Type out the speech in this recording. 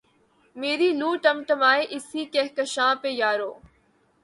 میری لؤ ٹمٹمائے اسی کہکشاں پہ یارو